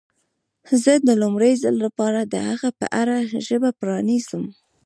زه د لومړي ځل لپاره د هغه په اړه ژبه پرانیزم.